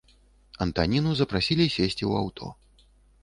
Антаніну запрасілі сесці ў аўто.